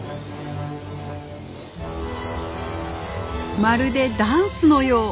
まるでダンスのよう。